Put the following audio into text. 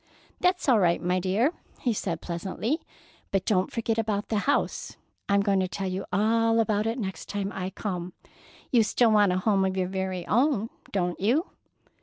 "That's all right, my dear," he said pleasantly. "But don't forget about the house. I'm going to tell you all about it next time I come. You still want a home of your very own, don't you?"